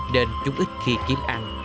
nên chúng ít khi kiếm ăn